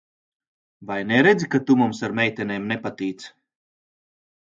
Vai neredzi, ka tu mums ar meitenēm nepatīc?